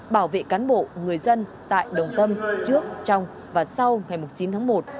bảo vệ cán bộ người dân tại đồng tâm trước trong và sau ngày một mươi chín tháng một